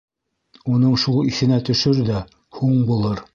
Уның шул иҫенә төшөр ҙә, һуң булыр.